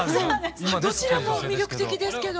どちらも魅力的ですけど！